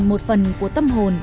một phần của tâm hồn